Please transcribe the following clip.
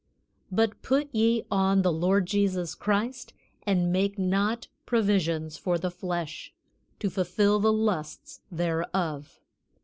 But put ye on the Lord Jesus Christ and make not provisions for the flesh, to fulfill the lusts thereof."